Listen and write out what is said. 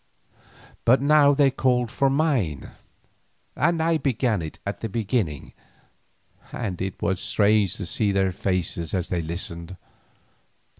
But now they called for mine, and I began it at the beginning, and it was strange to see their faces as they listened.